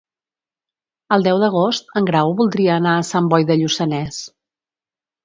El deu d'agost en Grau voldria anar a Sant Boi de Lluçanès.